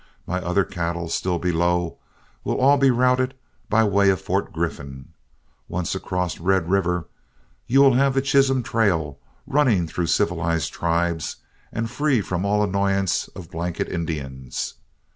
My other cattle, still below, will all be routed by way of Fort Griffin. Once across Red River, you will have the Chisholm Trail, running through civilized tribes, and free from all annoyance of blanket Indians.